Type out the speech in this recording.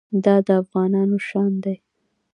دا د افغانانو شان دی.